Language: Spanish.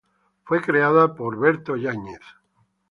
Fue creada por Berto Yáñez.